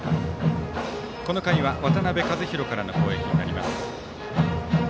この回は渡辺和大からの攻撃になります。